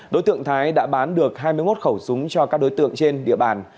đối tượng thái đã bán được hai mươi một khẩu súng cho các đối tượng trên địa bàn